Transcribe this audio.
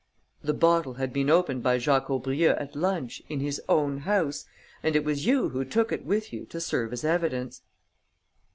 "The bottle had been opened by Jacques Aubrieux at lunch, in his own house, and it was you who took it with you to serve as evidence."